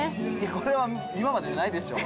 これは今までないでしょう。